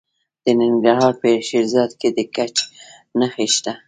د ننګرهار په شیرزاد کې د ګچ نښې شته.